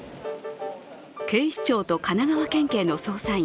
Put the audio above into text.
警視庁と神奈川県警の捜査員